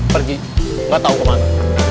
pergi nggak tahu ke mana